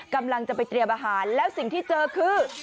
กำลังจะไปเตรียมอาหารแล้วสิ่งที่เจอคือ